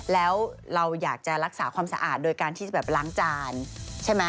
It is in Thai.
แล้วเราอยากจะรักษาความสะอาดโดยการที่จะแบบล้างจานใช่ไหม